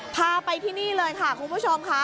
พาไปที่นี่เลยค่ะคุณผู้ชมค่ะ